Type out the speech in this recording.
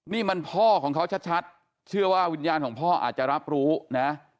นี่มันพ่อของเขาชัดเชื่อว่าวิญญาณของพ่ออาจจะรับรู้นะ